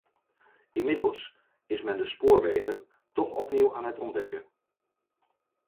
Inmiddels is men de spoorwegen toch opnieuw aan het ontdekken.